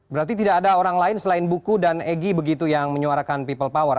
berarti tidak ada orang lain selain buku dan egy begitu yang menyuarakan people power